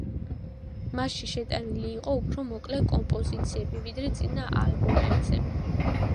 მასში შეტანილი იყო უფრო მოკლე კომპოზიციები, ვიდრე წინა ალბომებზე.